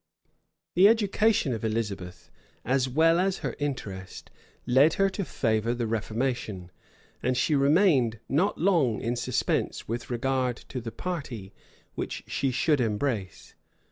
[*] The education of Elizabeth, as well as her interest, led her to favor the reformation; and she remained not long in suspense with regard to the party which she should embrace.